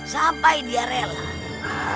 sampai dia rela